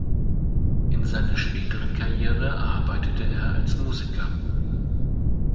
In seiner späteren Karriere arbeitete er als Musiker.